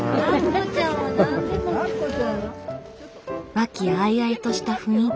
和気あいあいとした雰囲気。